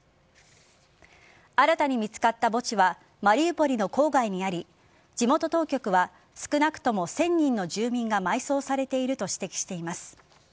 新たに見つかった墓地はマリウポリの郊外にあり地元当局は少なくとも１０００人の住民が埋葬されていると指摘しています。